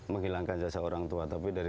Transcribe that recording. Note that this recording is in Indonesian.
menghilangkan jasa orang tua tapi dari